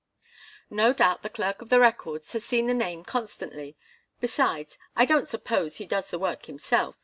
"No doubt the Clerk of the Records has seen the name constantly. Besides, I don't suppose he does the work himself.